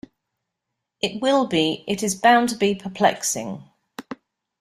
It will be — it is bound to be perplexing.